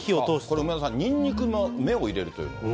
これ、梅沢さん、にんにくの芽を入れるということで。